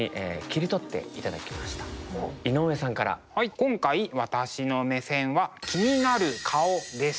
今回私の目線は「気になる顔」です。